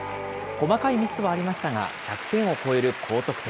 細かいミスはありましたが、１００点を超える高得点。